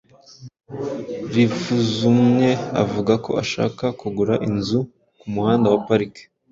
Rivuzumwe avuga ko ashaka kugura inzu ku Muhanda wa Park.